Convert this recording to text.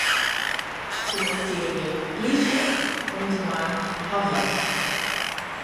Selektearje 'plysje' oant en mei 'hawwe'.